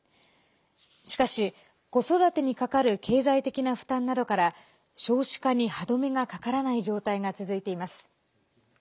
しかし、子育てにかかる経済的な負担などから少子化に歯止めがかからない状態が続いています。